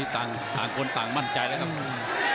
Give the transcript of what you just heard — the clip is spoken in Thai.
ต่างคนต่างมั่นใจแล้วครับ